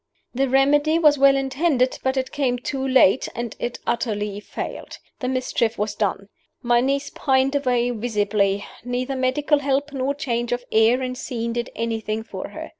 "The remedy was well intended; but it came too late, and it utterly failed. The mischief was done. My niece pined away visibly; neither medical help nor change of air and scene did anything for her.